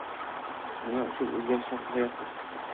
Nima uchun o’zgarishni xohlayapsiz